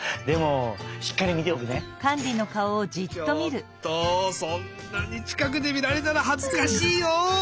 ちょっとそんなにちかくでみられたらはずかしいよ！